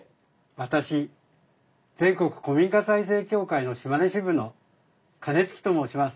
私全国古民家再生協会の島根支部の金築と申します。